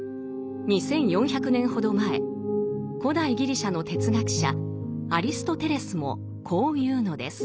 ２，４００年ほど前古代ギリシャの哲学者アリストテレスもこう言うのです。